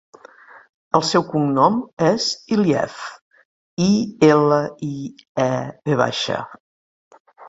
El seu cognom és Iliev: i, ela, i, e, ve baixa.